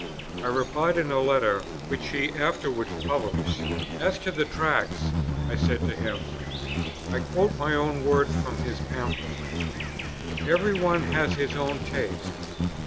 I replied in a letter, which he afterwards published. "As to the Tracts," I said to him (I quote my own words from his Pamphlet), "every one has his own taste.